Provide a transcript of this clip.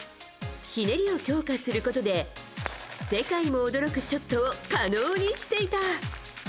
ひねりを強化することで世界も驚くショットを可能にしていた。